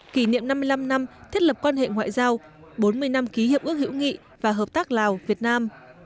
kỷ niệm năm mươi năm năm thiết lập quan hệ ngoại giao bốn mươi năm ký hiệp ước hữu nghị và hợp tác lào việt nam